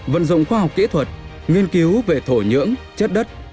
vận dụng khoa học kỹ thuật nghiên cứu về thổ nhưỡng chất đất